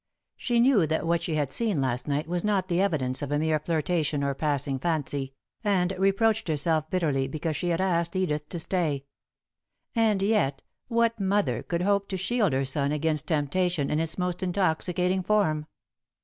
She knew that what she had seen last night was not the evidence of a mere flirtation or passing fancy, and reproached herself bitterly because she had asked Edith to stay. And yet, what mother could hope to shield her son against temptation in its most intoxicating form?